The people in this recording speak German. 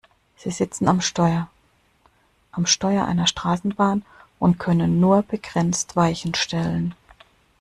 Sie sitzen am Steuer - am Steuer einer Straßenbahn und können nur begrenzt Weichen stellen.